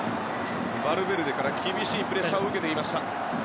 バルベルデから厳しいプレッシャーを受けていました。